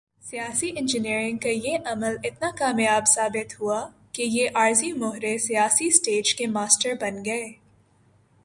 سیاسی انجینئرنگ کا یہ عمل اتنا کامیاب ثابت ہوا کہ یہ عارضی مہرے سیاسی سٹیج کے ماسٹر بن گئے۔